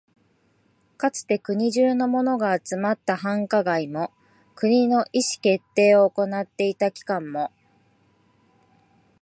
かつて国中のものが集まった繁華街も、国の意思決定を行っていた機関も、